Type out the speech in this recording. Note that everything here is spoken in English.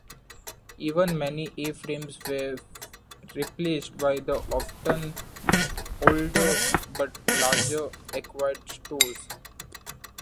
Even many A-Frames were replaced by the often older but larger acquired stores.